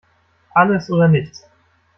Alles oder nichts!